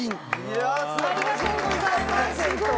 ありがとうございますすごい。